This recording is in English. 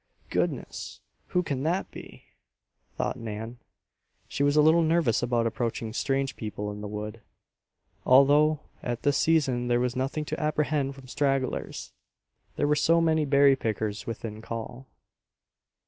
"Goodness! Who can that be?" thought Nan. She was a little nervous about approaching strange people in the wood; although at this season there was nothing to apprehend from stragglers, there were so many berry pickers within call.